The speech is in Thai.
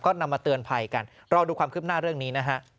ก็นำมาเตือนภัยกันรอดูความคืบหน้าเรื่องนี้นะฮะ